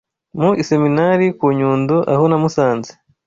Mu Iseminari ku Nyundo aho namusanze